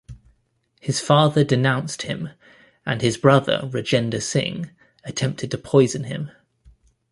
His father denounced him, and his brother Rajender Singh attempted to poison him.